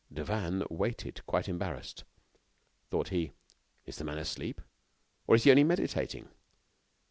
Devanne waited, quite embarrassed. Thought he: "Is the man asleep? Or is he only meditating?"